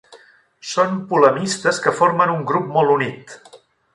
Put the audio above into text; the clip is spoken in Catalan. Són polemistes que formen un grup molt unit.